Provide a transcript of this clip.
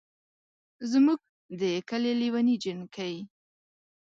زمونږ ده کلي لېوني جينکۍ